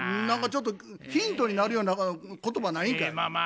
何かちょっとヒントになるような言葉ないんかい？